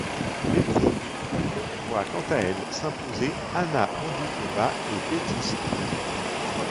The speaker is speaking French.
L'épreuve de double voit quant à elle s'imposer Hana Mandlíková et Betty Stöve.